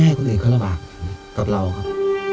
ไม่ต้องให้คนอื่นเครื่องระบากกับเราครับ